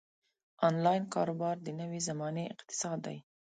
انلاین کاروبار د نوې زمانې اقتصاد دی.